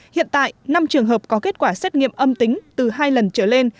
hiện tại năm trường hợp có kết quả xét nghiệm âm tính từ hai lần trở lên